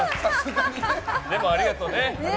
でも、ありがとね。